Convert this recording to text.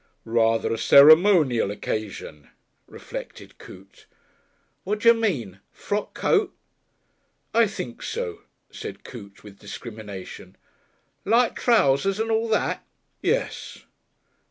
"Rather a ceremonial occasion," reflected Coote. "Wadyer mean? Frock coat?" "I think so," said Coote, with discrimination. "Light trousers and all that?" "Yes."